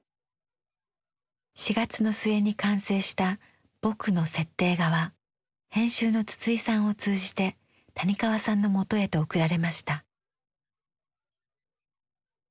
４月の末に完成した「ぼく」の設定画は編集の筒井さんを通じて谷川さんのもとへと送られました。